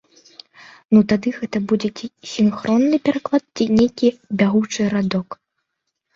Ну тады гэта будзе ці сінхронны пераклад, ці нейкі бягучы радок.